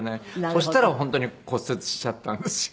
そしたら本当に骨折しちゃったんですよ。